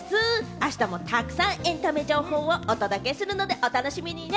あしたもたくさんエンタメ情報をお届けするので、お楽しみにね。